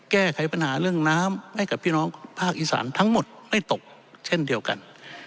แก้ไขปัญหาเรื่องน้ำให้กับพี่น้องภาคอีสานทั้งหมดไม่ตกเช่นเดียวกัน